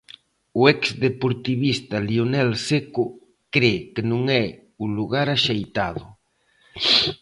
O exdeportivista Lionel Seco cre que non é o lugar axeitado.